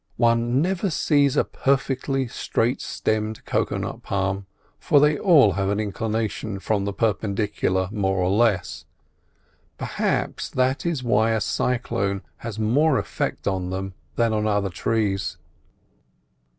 One never sees a perfectly straight stemmed cocoa palm; they all have an inclination from the perpendicular more or less; perhaps that is why a cyclone has more effect on them than on other trees.